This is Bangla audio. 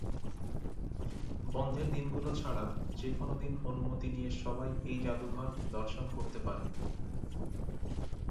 বন্ধের দিনগুলো ছাড়া যেকোন দিন অনুমতি নিয়ে সবাই এই জাদুঘর দর্শন করতে পারে।